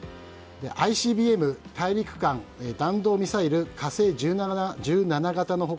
ＩＣＢＭ・大陸間弾道ミサイル「火星１７型」の他